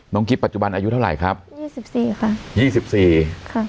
น้องกิฟต์ปัจจุบันอายุเท่าไหร่ครับ๒๔ค่ะ๒๔ค่ะ